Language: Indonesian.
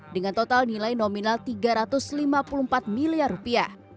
dengan total nilai nominal tiga ratus lima puluh empat miliar rupiah